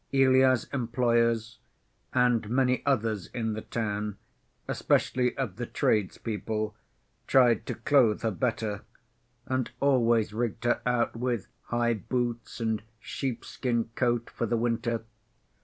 Ilya's employers, and many others in the town, especially of the tradespeople, tried to clothe her better, and always rigged her out with high boots and sheepskin coat for the winter.